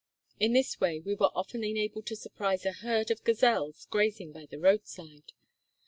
In this way we were often enabled to surprise a herd of gazelles grazing by the roadside.